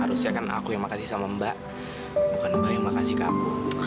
harusnya kan aku yang makasih sama mbak bukan mbak yang makasih ke aku